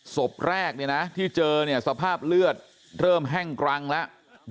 ศพแรกที่เจอเนี่ยสภาพเลือดเริ่มแห้งกรังแล้ว